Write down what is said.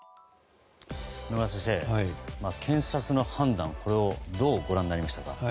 野村先生検察の判断をどうご覧になりましたか。